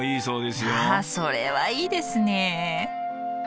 それはいいですねえ。